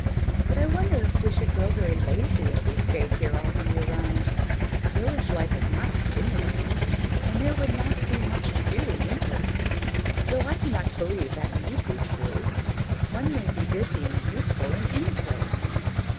But I wonder if we should grow very lazy if we stayed here all the year round; village life is not stimulating, and there would not be much to do in winter, though I do not believe that need be true; one may be busy and useful in any place."